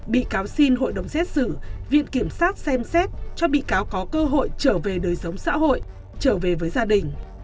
bị cáo xin hội đồng xét xử viện kiểm sát xem xét cho bị cáo có cơ hội trở về đời sống xã hội trở về với gia đình